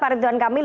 pak rituan kamil